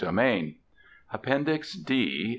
Com._ APPENDIX D.